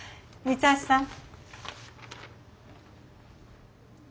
三橋さん。